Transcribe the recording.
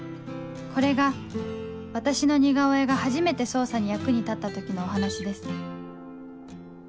これが私の似顔絵が初めて捜査に役に立った時のお話です